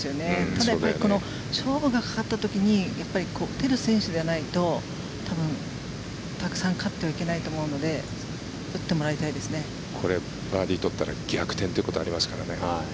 ただやっぱり勝負がかかった時に打てる選手じゃないと多分、たくさん勝ってはいけないと思うのでこれ、バーディー取ったら逆転ということもあり得ますからね。